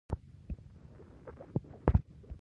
د پښتو ادبي تاریخ لیکونکی یو یې علامه عبدالحی حبیبي دی.